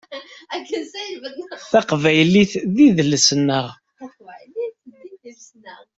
Taqbaylit d idles-nneɣ.